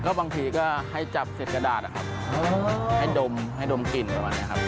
ก็บางทีก็ให้จับเสร็จกระดาษนะครับให้ดมกลิ่นกันมานะครับ